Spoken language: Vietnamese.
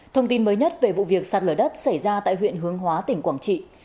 thông tin mới nhất về vụ việc sạt lửa đất xảy ra tại huyện hương hóa tỉnh quảng trị